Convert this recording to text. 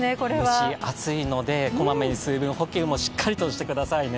蒸し暑いのでこまめに水分補給もしっかりとしてくださいね。